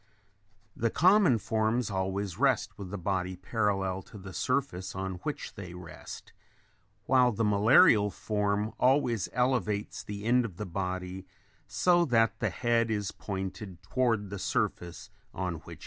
The common forms always rest with the body parallel to the surface on which they rest, while the malarial form always elevates the end of the body so that the head is pointed toward the surface on which it rests.